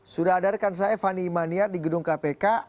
sudah adarkan saya fani imania di gedung kpk